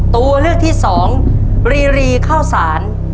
ตัวเลือกที่สองรีรีข้าวสาร